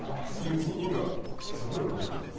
意味はさっぱり分からない。